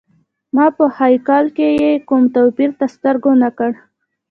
ما په هیکل کي یې کوم توپیر تر سترګو نه کړ.